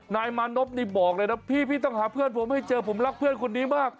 นายมานพนี่บอกเลยนะพี่ต้องหาเพื่อนผมให้เจอผมรักเพื่อนคนนี้มาก